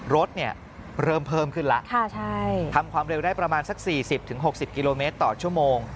รถเริ่มเพิ่มขึ้นแล้วทำความเร็วได้ประมาณสัก๔๐๖๐กิโลเมตรต่อชั่วโมง